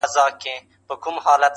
بې پیسو نه دچا خپل نه د چا سیال یې,